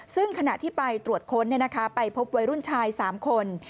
ซึ่งขณะที่ไปตรวจค้นไปพบวัยรุ่นชาย๓คน